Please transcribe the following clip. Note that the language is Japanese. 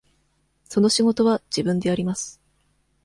その仕事は自分でやります。